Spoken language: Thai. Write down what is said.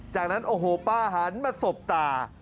จากนั้นโอ้โหป้าหันมาสบตา